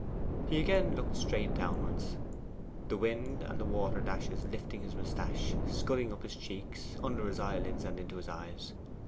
He again looked straight downwards, the wind and the water dashes lifting his moustache, scudding up his cheeks, under his eyelids, and into his eyes.